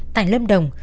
tại lâm đồng